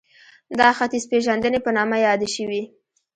دا ختیځپېژندنې په نامه یادې شوې